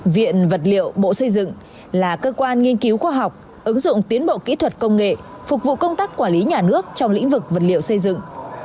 viện vật liệu bộ xây dựng là cơ quan nghiên cứu khoa học ứng dụng tiến bộ kỹ thuật công nghệ phục vụ công tác quản lý nhà nước trong lĩnh vực vật liệu xây dựng